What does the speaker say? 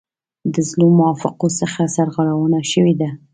د زړو موافقو څخه سرغړونه شوې ده.